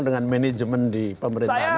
dengan manajemen di pemerintahan